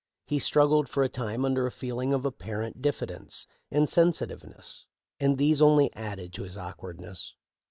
He struggled for a time under a feel ing of apparent diffidence and sensitiveness, and these only added to his awkwardness.